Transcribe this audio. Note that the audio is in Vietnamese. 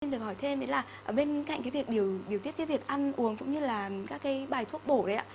mình được hỏi thêm là bên cạnh việc điều tiết việc ăn uống cũng như là các bài thuốc bổ đấy ạ